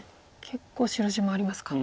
結構白地もありますか。